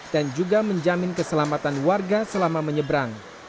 dan juga menjamin keselamatan warga selama lamanya